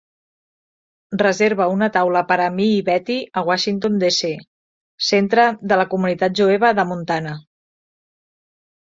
reserva una taula per a mi i bettye a Washington, D.C. Centre de la Comunitat Jueva de Montana